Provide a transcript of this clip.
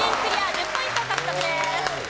１０ポイント獲得です。